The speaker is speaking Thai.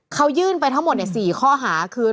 เขายื่นไปทั้งหมด๔ข้อหาคือ